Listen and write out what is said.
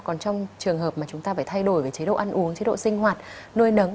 còn trong trường hợp mà chúng ta phải thay đổi về chế độ ăn uống chế độ sinh hoạt nuôi nấng